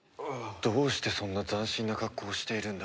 どうしてそんな斬新な格好をしているんだ。